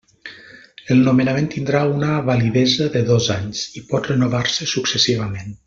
El nomenament tindrà una validesa de dos anys, i pot renovar-se successivament.